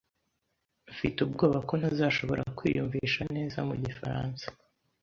Mfite ubwoba ko ntazashobora kwiyumvisha neza mu gifaransa.